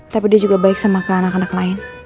tapi dia juga baik sama ke anak anak lain